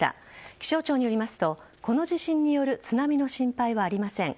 気象庁によりますとこの地震による津波の心配はありません。